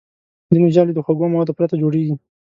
ځینې ژاولې د خوږو موادو پرته جوړېږي.